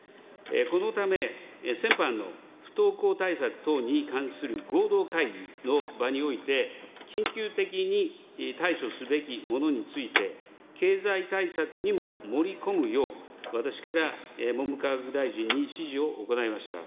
このため、先般の不登校対策等に関する合同会議の場において、緊急的に対処すべきものについて、経済対策にも盛り込むよう、私から文部科学大臣に指示を行いました。